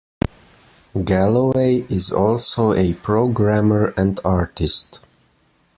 Galloway is also a programmer and artist.